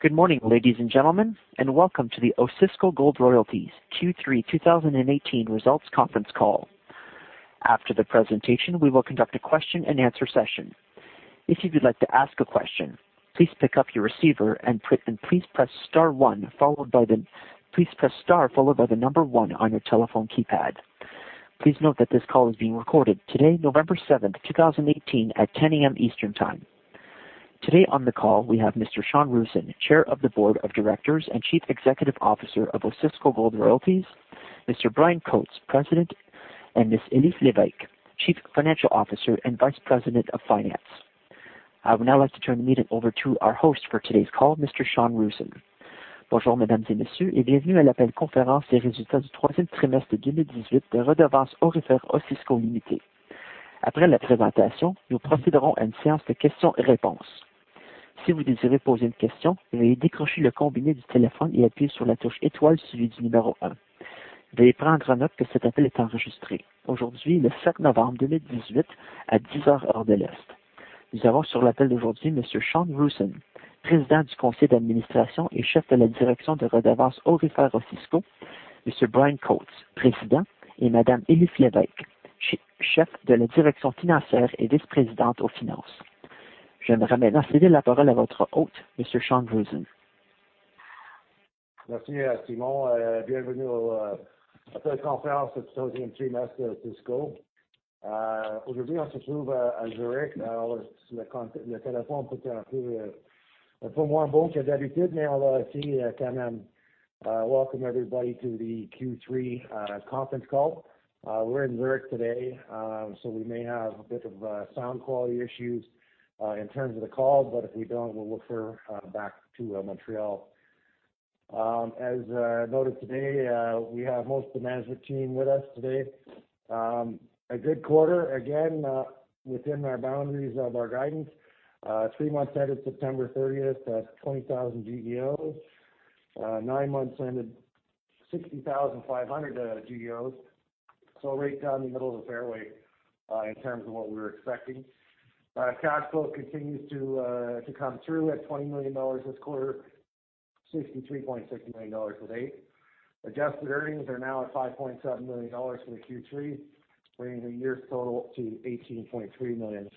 Good morning, ladies and gentlemen, and welcome to the Osisko Gold Royalties Q3 2018 results conference call. After the presentation, we will conduct a question and answer session. If you would like to ask a question, please pick up your receiver and please press star 1 on your telephone keypad. Please note that this call is being recorded. Today, November 7th, 2018 at 10:00 A.M. Eastern time. Today on the call, we have Mr. Sean Roosen, Chair of the Board of Directors and Chief Executive Officer of Osisko Gold Royalties, Mr. Bryan Coates, President, and Ms. Elif Lévesque, Chief Financial Officer and Vice President of Finance. I would now like to turn the meeting over to our host for today's call, Mr. Sean Roosen. Welcome everybody to the Q3 conference call. We're in Zurich today, so we may have a bit of sound quality issues in terms of the call. If we don't, we'll look for back to Montreal. As noted today, we have most of the management team with us today. A good quarter again, within our boundaries of our guidance. Three months ended September 30th, 20,000 GEOs. Nine months ended 60,500 GEOs. Right down the middle of the fairway, in terms of what we were expecting. Cash flow continues to come through at 20 million dollars this quarter, 63.6 million dollars today. Adjusted earnings are now at 5.7 million dollars for the Q3, bringing the year's total to 18.3 million.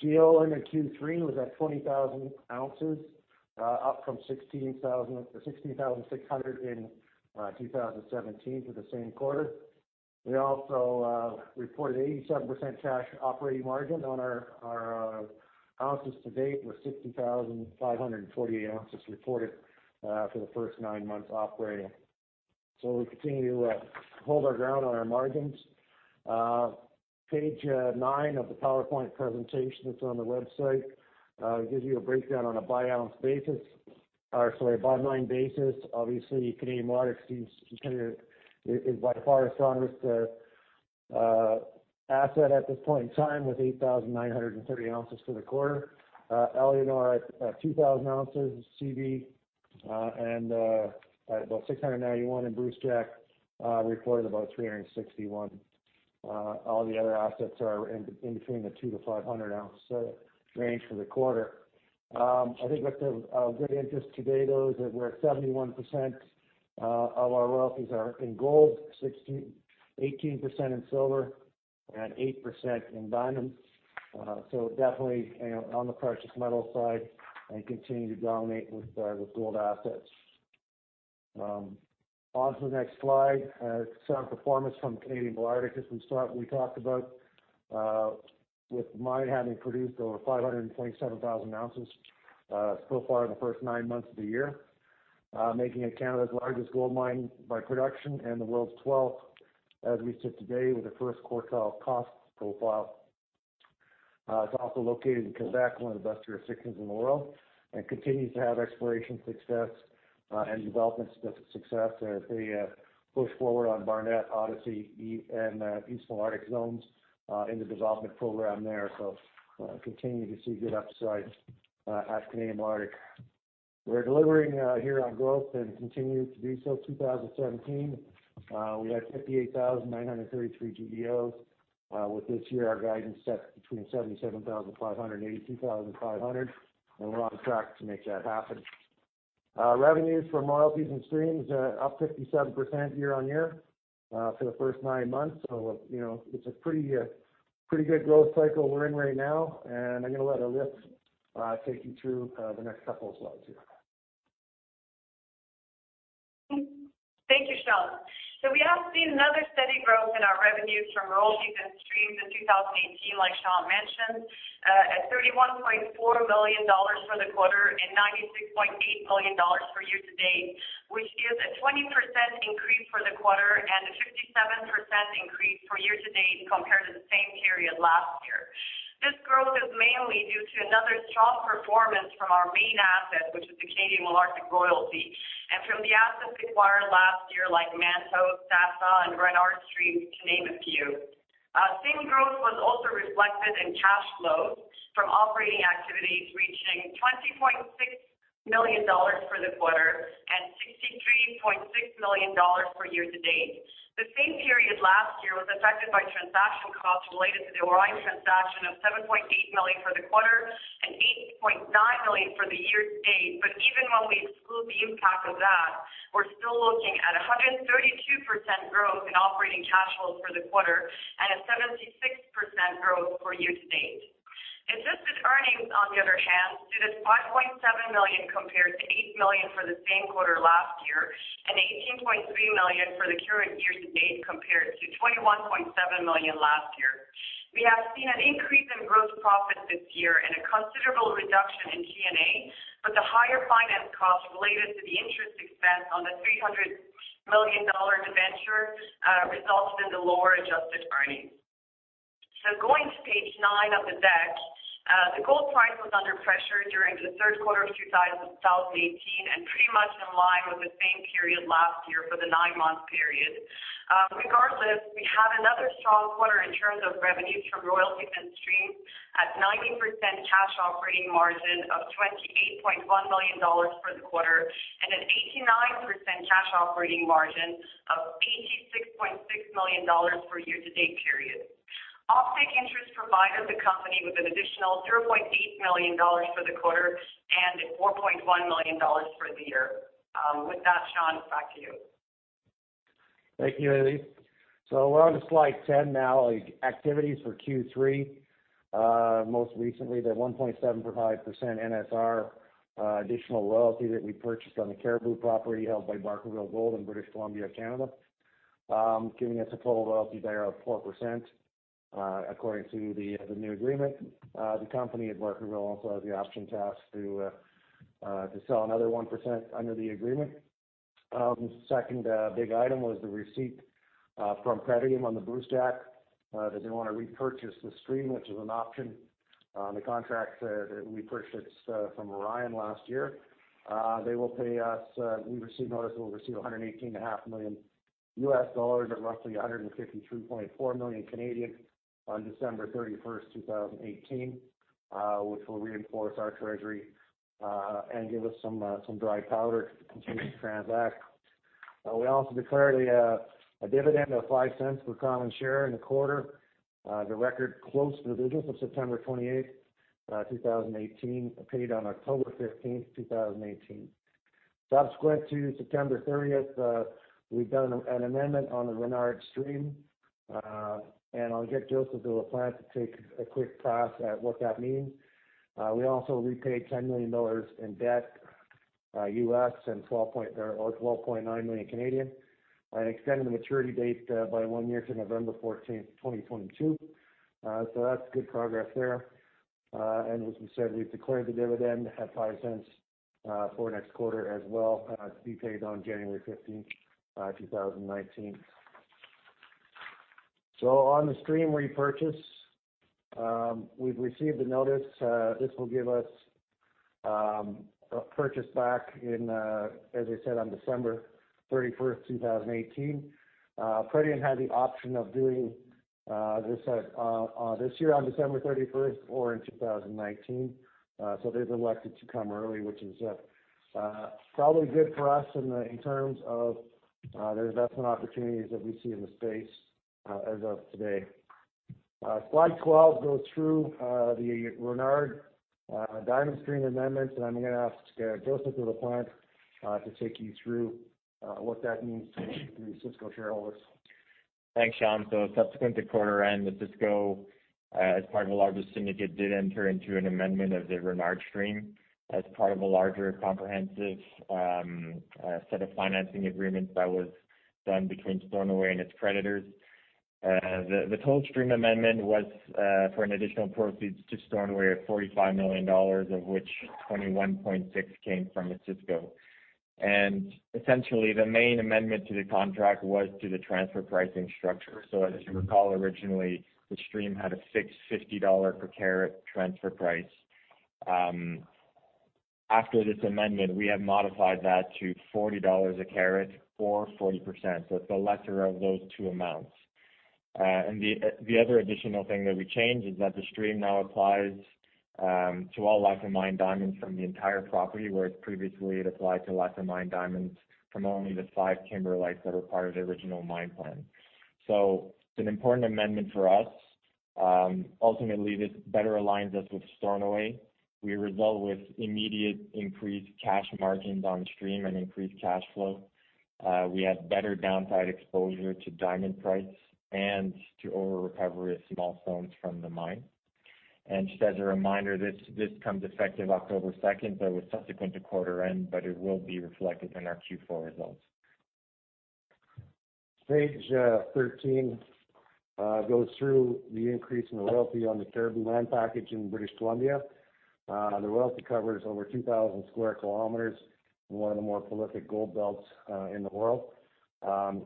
GEO in the Q3 was at 20,000 ounces, up from 16,600 in 2017 for the same quarter. We also reported 87% cash operating margin on our ounces to date, with 60,548 ounces reported for the first nine months operating. We continue to hold our ground on our margins. Page nine of the PowerPoint presentation that's on the website gives you a breakdown on a by-mine basis. Obviously, Canadian Malartic is by far the strongest asset at this point in time with 8,930 ounces for the quarter. Éléonore at 2,000 ounces CAD, and about 691 in Brucejack, reported about 361. All the other assets are in between the 200 to 500-ounce range for the quarter. I think what the good interest today though, is that we're at 71% of our royalties are in gold, 18% in silver, and 8% in platinum. Definitely, on the precious metal side and continue to dominate with gold assets. On to the next slide, some performance from Canadian Malartic, as we talked about, with the mine having produced over 527,000 ounces so far in the first nine months of the year, making it Canada's largest gold mine by production and the world's 12th as we sit today with the first quartile cost profile. It's also located in Quebec, one of the best jurisdictions in the world, and continues to have exploration success and development success as they push forward on Barnat, Odyssey, and East Gouldie zones in the development program there. Continue to see good upside at Canadian Malartic. We're delivering here on growth and continue to do so. 2017, we had 58,933 GEOs. With this year, our guidance set between 77,500 GEOs and 82,500 GEOs, and we're on track to make that happen. Revenues from royalties and streams are up 57% year-over-year for the first nine months. It's a pretty good growth cycle we're in right now, and I'm going to let Elif take you through the next couple of slides here. Thank you, Sean. We have seen another steady growth in our revenues from royalties and streams in 2018, like Sean mentioned, at 31.4 million dollars for the quarter and 96.8 million dollars for year-to-date, which is a 20% increase for the quarter and a 57% increase for year-to-date compared to the same period last year. This growth is mainly due to another strong performance from our main asset, which is the Canadian Malartic Royalty, and from the assets acquired last year like Manto, Sasa and Renard streams, to name a few. Same growth was also reflected in cash flow from operating activities reaching 20.6 million dollars for the quarter, and 63.6 million dollars for year-to-date. The same period last year was affected by transaction costs related to the Orion transaction of 7.8 million for the quarter, and 8.9 million for the year-to-date. Even when we exclude the impact of that, we're still looking at 132% growth in operating cash flow for the quarter, and a 76% growth for year-to-date. Adjusted earnings, on the other hand, stood at 5.7 million compared to 8 million for the same quarter last year, and 18.3 million for the current year-to-date compared to 21.7 million last year. We have seen an increase in gross profit this year and a considerable reduction in G&A, but the higher finance costs related to the interest expense on the 300 million dollar debenture, resulted in the lower adjusted earnings. Going to page nine of the deck. The gold price was under pressure during the third quarter of 2018, and pretty much in line with the same period last year for the nine-month period. Regardless, we had another strong quarter in terms of revenues from royalties and streams at 90% cash operating margin of 28.1 million dollars for the quarter, and an 89% cash operating margin of 86.6 million dollars for year-to-date period. Offtake interest provided the company with an additional 0.8 million dollars for the quarter and 4.1 million dollars for the year. With that, Sean, back to you. Thank you, Elif Lévesque. We're on to slide 10 now. Activities for Q3. Most recently, the 1.75% NSR additional royalty that we purchased on the Cariboo property held by Barkerville Gold in British Columbia, Canada, giving us a total royalty there of 4%, according to the new agreement. The company at Barkerville also has the option to ask to sell another 1% under the agreement. Second big item was the receipt from Pretium on the Brucejack that they want to repurchase the stream, which is an option on the contract that we purchased from Orion last year. We've received notice that we'll receive $118.5 million U.S., or roughly 153.4 million on December 31st, 2018, which will reinforce our treasury, and give us some dry powder to continue to transact. We also declared a dividend of 0.05 per common share in the quarter. The record close for the business of September 28th, 2018, paid on October 15th, 2018. Subsequent to September 30th, we've done an amendment on the Renard stream. I'll get Joseph de la Plante to take a quick pass at what that means. We also repaid $10 million U.S. in debt, or 12.9 million, and extended the maturity date by one year to November 14th, 2022. That's good progress there. As we said, we've declared the dividend at 0.05 for next quarter as well, to be paid on January 15th, 2019. On the stream repurchase, we've received a notice. This will give us a purchase back in, as I said, on December 31st, 2018. Pretium had the option of doing this year on December 31st or in 2019. They've elected to come early, which is probably good for us in terms of the investment opportunities that we see in the space as of today. Slide 12 goes through the Renard diamond stream amendments, I'm going to ask Joseph de la Plante to take you through what that means to the Osisko shareholders. Thanks, Sean. Subsequent to quarter end with Osisko, as part of a larger syndicate, did enter into an amendment of the Renard stream as part of a larger comprehensive set of financing agreements that was done between Stornoway and its creditors. The total stream amendment was for an additional proceeds to Stornoway of 45 million dollars, of which 21.6 million came from Osisko. Essentially, the main amendment to the contract was to the transfer pricing structure. As you recall, originally the stream had a fixed 50 dollar per carat transfer price. After this amendment, we have modified that to 40 dollars a carat or 40%, so it's the lesser of those two amounts. The other additional thing that we changed is that the stream now applies to all life of mine diamonds from the entire property, where previously it applied to life of mine diamonds from only the five kimberlites that were part of the original mine plan. It is an important amendment for us. Ultimately, this better aligns us with Stornoway. We result with immediate increased cash margins on stream and increased cash flow. We have better downside exposure to diamond price and to ore recovery of small stones from the mine. Just as a reminder, this comes effective October 2nd, so it was subsequent to quarter end, but it will be reflected in our Q4 results. Page 13 goes through the increase in the royalty on the Cariboo land package in British Columbia. The royalty covers over 2,000 sq km in one of the more prolific gold belts in the world.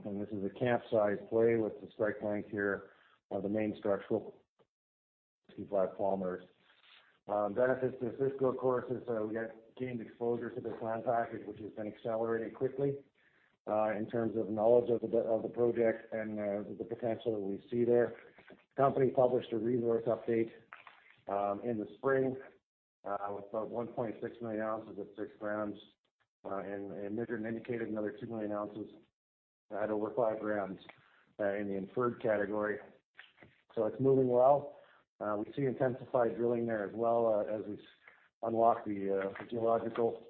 This is a camp size play with the strike length here of the main structural T5 fault. Benefits to Osisko, of course, is we have gained exposure to this land package, which has been accelerating quickly. In terms of knowledge of the project and the potential that we see there. The company published a resource update in the spring with about 1.6 million ounces at six grams, and Measured and Indicated another 2 million ounces at over five grams in the inferred category. It is moving well. We see intensified drilling there as well as we unlock the geological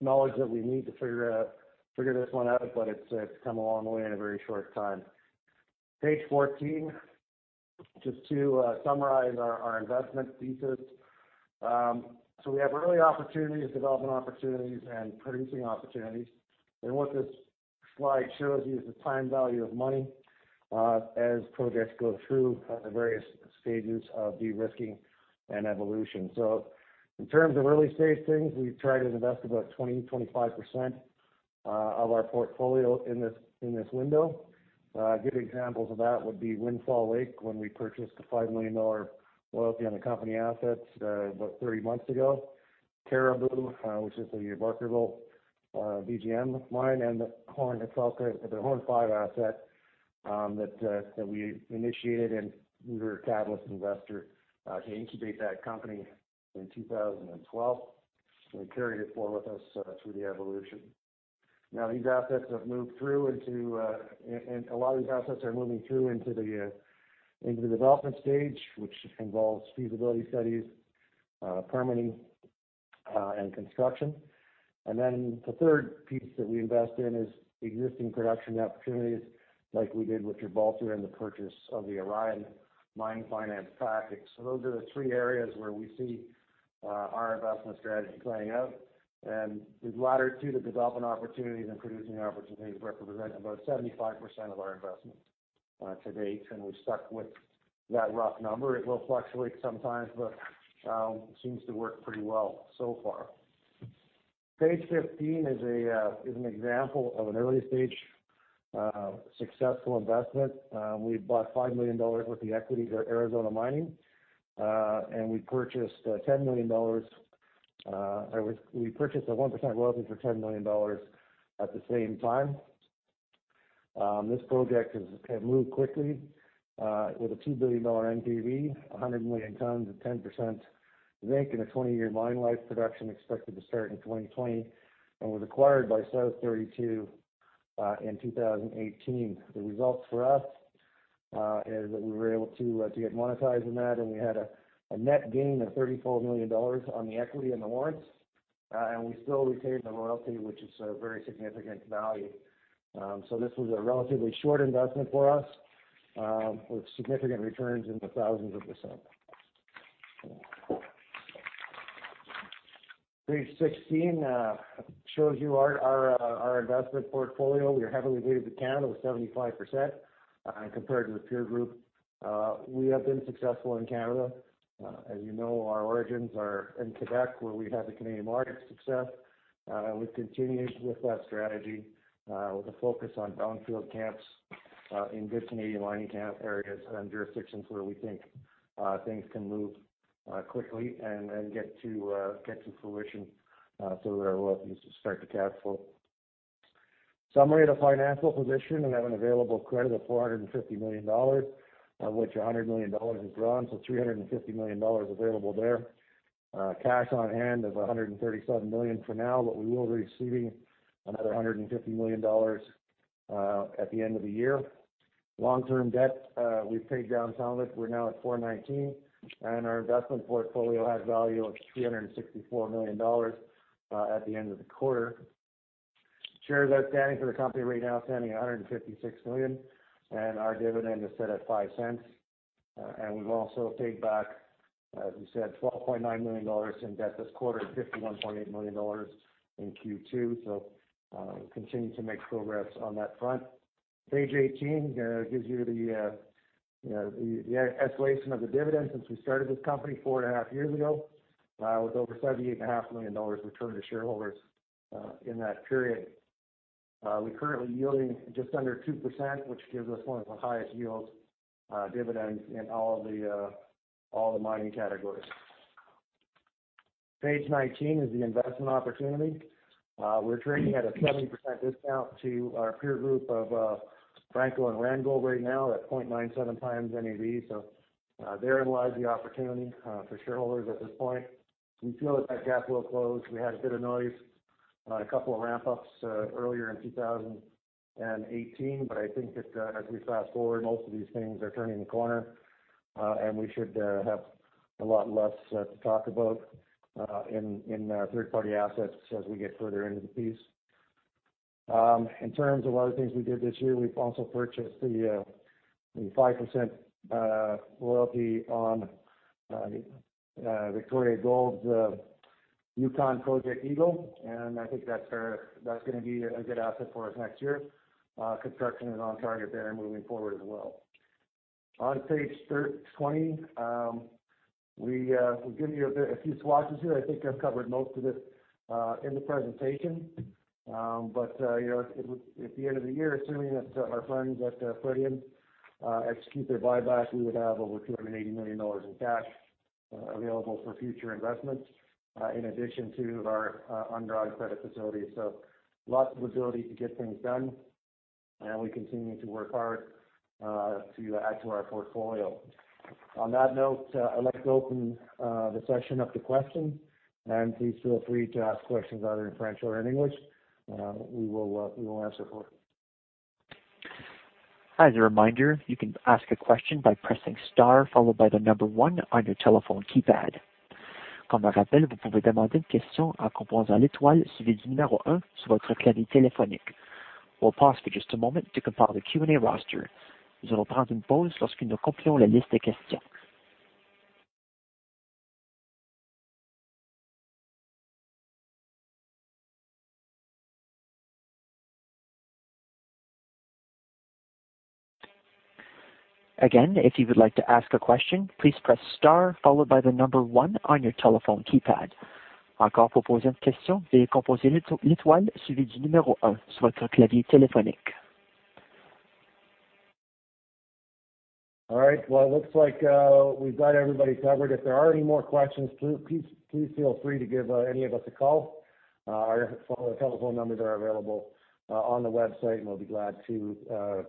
knowledge that we need to figure this one out. It has come a long way in a very short time. Page 14, just to summarize our investment thesis. We have early opportunities, development opportunities, and producing opportunities. What this slide shows you is the time value of money as projects go through the various stages of de-risking and evolution. In terms of early-stage things, we try to invest about 20%-25% of our portfolio in this window. Good examples of that would be Windfall Lake when we purchased a 5 million dollar royalty on the company assets about 30 months ago. Cariboo, which is a Barkerville BGM mine, and the Horne 5 asset that we initiated and we were a catalyst investor to incubate that company in 2012, and we carried it forward with us through the evolution. A lot of these assets are moving through into the development stage, which involves feasibility studies, permitting, and construction. The third piece that we invest in is existing production opportunities, like we did with Gibraltar in the purchase of the Orion Mine Finance package. Those are the three areas where we see our investment strategy playing out. The latter two, the development opportunities and producing opportunities, represent about 75% of our investment to date. We have stuck with that rough number. It will fluctuate sometimes, but it seems to work pretty well so far. Page 15 is an example of an early-stage successful investment. We bought 5 million dollars worth of equity for Arizona Mining, and we purchased a 1% royalty for 10 million dollars at the same time. This project has moved quickly with a 2 billion dollar NPV, 100 million tons at 10% zinc, and a 20-year mine life production expected to start in 2020. Was acquired by South32 in 2018. The results for us is that we were able to get monetized in that, and we had a net gain of 34 million dollars on the equity and the warrants, and we still retain the royalty, which is a very significant value. This was a relatively short investment for us with significant returns in the thousands of percent. Page 16 shows you our investment portfolio. We are heavily weighted to Canada with 75% compared to the peer group. We have been successful in Canada. As you know, our origins are in Quebec, where we've had the Canadian Malartic success. We've continued with that strategy with a focus on brownfield camps in good Canadian mining camp areas and jurisdictions where we think things can move quickly and get to fruition through our royalties to start the cash flow. Summary of the financial position, we have an available credit of 450 million dollars, of which 100 million dollars is drawn, 350 million dollars available there. Cash on hand is 137 million for now, but we will be receiving another 150 million dollars at the end of the year. Long-term debt, we've paid down some of it. We're now at 419 million, and our investment portfolio has value of 364 million dollars at the end of the quarter. Shares outstanding for the company right now standing at 156 million, and our dividend is set at 0.05. We've also paid back, as we said, 12.9 million dollars in debt this quarter, 51.8 million dollars in Q2, we continue to make progress on that front. Page 18 gives you the escalation of the dividend since we started this company four and a half years ago, with over 78.5 million dollars returned to shareholders in that period. We're currently yielding just under 2%, which gives us one of the highest yield dividends in all the mining categories. Page 19 is the investment opportunity. We're trading at a 70% discount to our peer group of Franco and Randgold right now at 0.97 times NAV, therein lies the opportunity for shareholders at this point. We feel that that gap will close. We had a bit of noise, a couple of ramp-ups earlier in 2018, I think that as we fast-forward, most of these things are turning the corner, and we should have a lot less to talk about in third-party assets as we get further into the piece. In terms of other things we did this year, we've also purchased the 5% royalty on Victoria Gold's Yukon project, Eagle, and I think that's going to be a good asset for us next year. Construction is on target there and moving forward as well. On page 20, we give you a few swatches here. I think I've covered most of this in the presentation. At the end of the year, assuming that our friends at Fresnillo execute their buyback, we would have over 280 million dollars in cash available for future investments, in addition to our undrawn credit facility. Lots of ability to get things done, and we continue to work hard to add to our portfolio. On that note, I'd like to open the session up to questions, and please feel free to ask questions either in French or in English. We will answer. As a reminder, you can ask a question by pressing star followed by the number 1 on your telephone keypad. We'll pause for just a moment to compile the Q&A roster. If you would like to ask a question, please press star followed by the number 1 on your telephone keypad. All right. It looks like we've got everybody covered. If there are any more questions, please feel free to give any of us a call. Our telephone numbers are available on the website, and we'll be glad to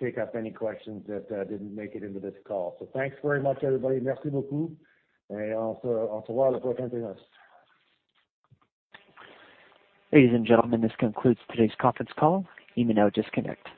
take up any questions that didn't make it into this call. Thanks very much, everybody. Ladies and gentlemen, this concludes today's conference call. You may now disconnect.